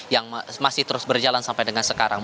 yang masih terus berjalan sampai dengan sekarang